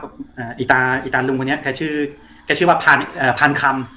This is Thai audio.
อ่าอีตาอีตาลุงคนนี้แกชื่อแกชื่อว่าพานคำ